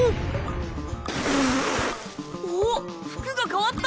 おっ服が変わった！